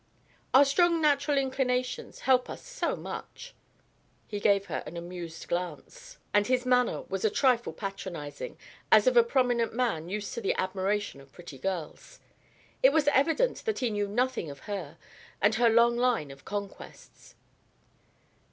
"Our strong natural inclinations help us so much!" He gave her an amused glance, and his manner was a trifle patronizing, as of a prominent man used to the admiration of pretty girls. It was evident that he knew nothing of her and her long line of conquests.